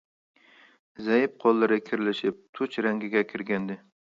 زەئىپ قوللىرى كىرلىشىپ تۇچ رەڭگىگە كىرگەنىدى.